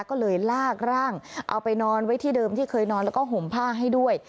ก็เลยลากร่างเอาไปนอนไว้ที่เดิมที่เคยนอนแล้วก็ห่มผ้าให้ด้วย